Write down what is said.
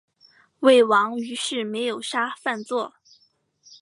魏王于是没有杀范痤。